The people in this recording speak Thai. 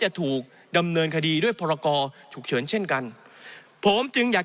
จะถูกดำเนินคดีด้วยพรกรฉุกเฉินเช่นกันผมจึงอยาก